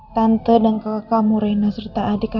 tante dan kakak kamu reina serta adiknya